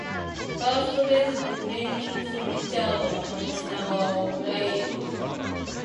ファーストベースでフレーミングするリチャード誠砂川オブライエン